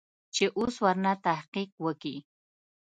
چې اوس ورنه تحقيق وکې.